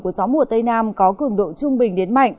của gió mùa tây nam có cường độ trung bình đến mạnh